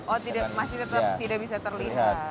oh masih tetap tidak bisa terlihat